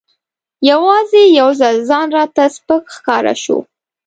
یوازې یو ځل ځان راته سپک ښکاره شو.